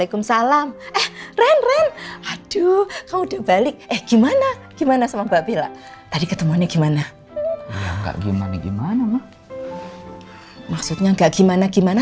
kemara dia di sinigos sebagai ceweknya